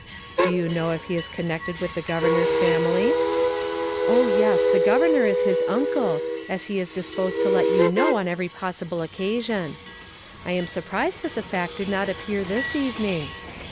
" Do you know if he is connected with the gov ernor's family?" " Oh, yes, the governor is his uncle, as he is disposed to let one know on every jtossible occa sion. I am surprised tliat the fact did not appear this evening.